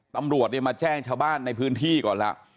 ตำรวจมาแจ้งชาวบ้านในพื้นที่ก่อนละ